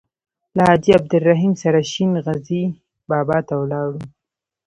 له حاجي عبدالرحیم سره شین غزي بابا ته ولاړو.